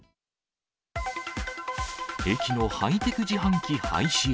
駅のハイテク自販機廃止へ。